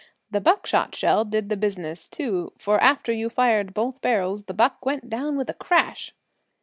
The buckshot shell did the business, too, for after you fired both barrels the buck went down with a crash."